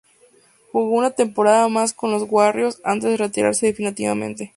Jugó una temporada más con los Warriors antes de retirarse definitivamente.